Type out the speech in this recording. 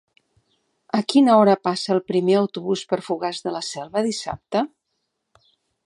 A quina hora passa el primer autobús per Fogars de la Selva dissabte?